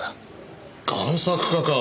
贋作家か。